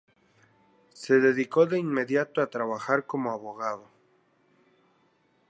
Se dedicó de inmediato a trabajar como abogado.